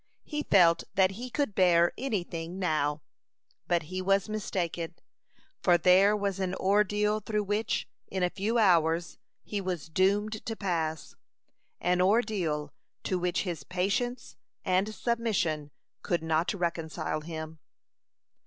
He felt that he could bear any thing now; but he was mistaken, for there was an ordeal through which, in a few hours, he was doomed to pass an ordeal to which his patience and submission could not reconcile him.